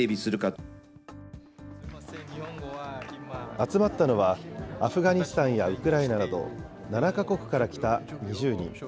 集まったのはアフガニスタンやウクライナなど、７か国から来た２０人。